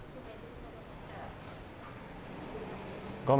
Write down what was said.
画面